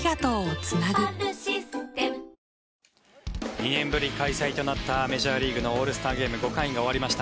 ２年ぶり開催となったメジャーリーグオールスターゲーム５回が終わりました。